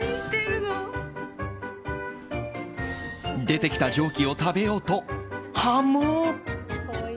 出てきた蒸気を食べようとハムッ。